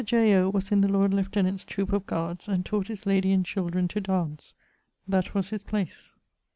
J. O. was in the Lord Lieutenant's troope of guards, and taught his lady and children to dance; that was his place.